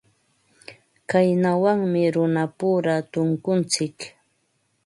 Kaynawmi runapura tunkuntsik.